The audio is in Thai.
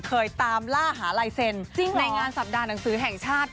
เคยตามล่าหาลายเซ็นในงานสัปดาห์หนังสือแห่งชาติ